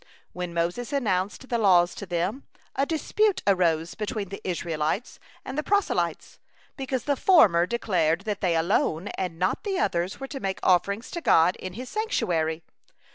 When Moses announced the laws to them, a dispute arose between the Israelites and the proselytes, because the former declared that they alone and not the others were to make offerings to God in His sanctuary.